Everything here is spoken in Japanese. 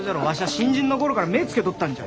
新人の頃から目ぇつけとったんじゃ。